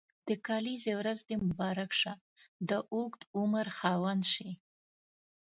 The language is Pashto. د کلیزي ورځ دي مبارک شه د اوږد عمر خاوند سي.